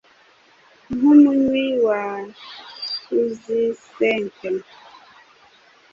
Nkumunywi wa suzisenke